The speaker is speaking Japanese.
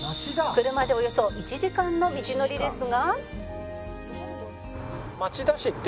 「車でおよそ１時間の道のりですが」